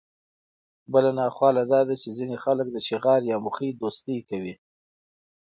بله ناخواله داده، چي ځيني خلک د شغار يا موخۍ دوستۍ کوي